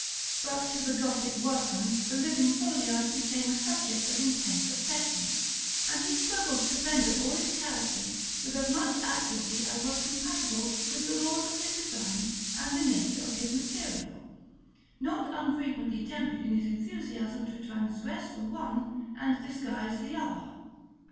But to the Gothic workman the living foliage became a subject of intense affection, and he struggled to render all its characters with as much accuracy as was compatible with the laws of his design and the nature of his material, not unfrequently tempted in his enthusiasm to transgress the one and disguise the other.